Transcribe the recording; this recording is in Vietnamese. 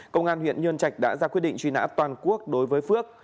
công an huyện nhơn trạch đã ra quyết định truy nã toàn quốc đối với phước